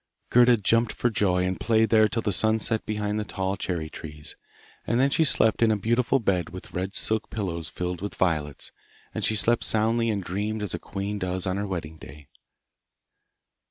Gerda jumped for joy and played there till the sun set behind the tall cherry trees, and then she slept in a beautiful bed with red silk pillows filled with violets, and she slept soundly and dreamed as a queen does on her wedding day.